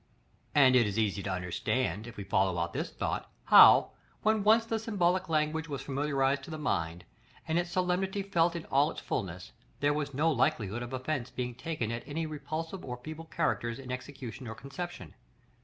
§ LXIV. And it is easy to understand, if we follow out this thought, how, when once the symbolic language was familiarized to the mind, and its solemnity felt in all its fulness, there was no likelihood of offence being taken at any repulsive or feeble characters in execution or conception.